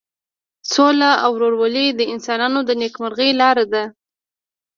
سوله او ورورولي د انسانانو د نیکمرغۍ لاره ده.